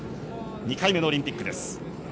２回目のオリンピックです。